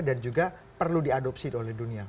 dan juga perlu diadopsi oleh dunia